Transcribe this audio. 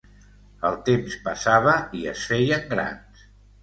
El temps passava i es feien grans.